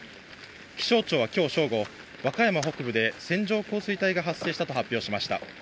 気象庁はきょう正午、和歌山北部で線状降水帯が発生したと発表しました。